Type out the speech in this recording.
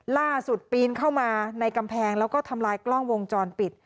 ปีนเข้ามาในกำแพงแล้วก็ทำลายกล้องวงจรปิด